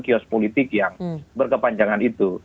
kios politik yang berkepanjangan itu